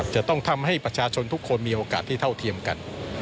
จะต้องทำให้ประชาชนทุกคนมีโอกาสที่เท่าเทียมกัน